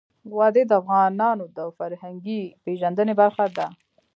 وادي د افغانانو د فرهنګي پیژندنې برخه ده.